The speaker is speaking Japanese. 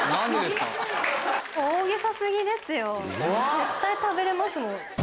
絶対食べれますもん。